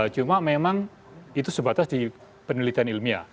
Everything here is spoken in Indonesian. cuma memang itu sebatas di penelitian ilmiah